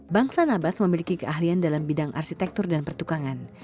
bangsa nabat memiliki keahlian dalam bidang arsitektur dan pertukangan